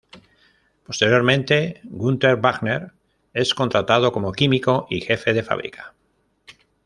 Posteriormente Günter Wagner es contratado como químico y jefe de fábrica.